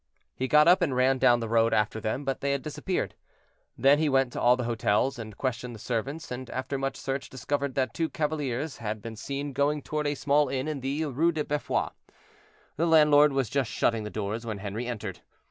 He got up and ran down the road after them, but they had disappeared. Then he went to all the hotels and questioned the servants, and after much search discovered that two cavaliers had been seen going toward a small inn in the Rue de Beffroi. The landlord was just shutting the doors when Henri entered.